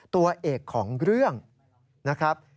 ตัวเอกของเรื่องนะครับ